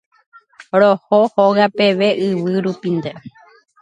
Roho hóga peve yvy rupínte.